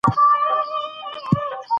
سلیمان غر د جغرافیې یوه بېلګه ده.